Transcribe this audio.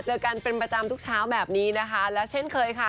เจอกันเป็นประจำทุกเช้าแบบนี้นะคะและเช่นเคยค่ะ